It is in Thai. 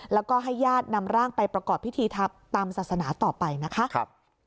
แล้วก็ให้ญาตินำร่างไปประกอบพิธีตามศาสนาต่อไปนะคะ